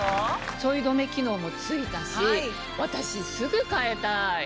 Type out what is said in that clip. ちょい止め機能も付いたし私すぐ替えたい。